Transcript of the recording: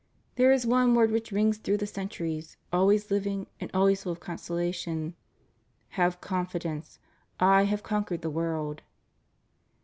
There is one word which rings through the centuries, always Hving and always full of consolation. Have confidence, I have conquered the world.